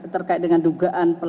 terkait dengan dugaan